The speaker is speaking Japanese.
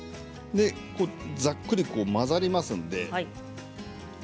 ざっくり混ざりますので。